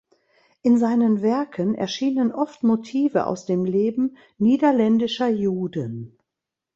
In seinen Werken erschienen oft Motive aus dem Leben niederländischer Juden.